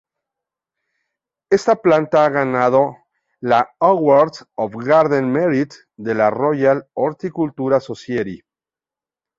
Esta planta ha ganado la Award of Garden Merit de la Royal Horticultural Society.